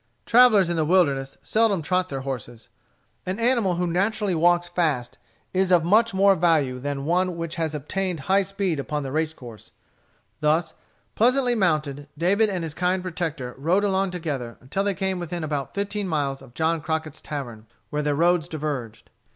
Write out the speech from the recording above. Travellers in the wilderness seldom trot their horses. On such a journey, an animal who naturally walks fast is of much more value than one which has attained high speed upon the race course. Thus pleasantly mounted, David and his kind protector rode along together until they came within about fifteen miles of John Crockett's tavern, where their roads diverged.